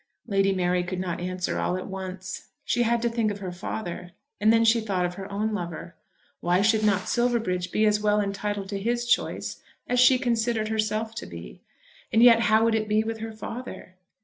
Lady Mary could not answer all at once. She had to think of her father; and then she thought of her own lover. Why should not Silverbridge be as well entitled to his choice as she considered herself to be? And yet how would it be with her father?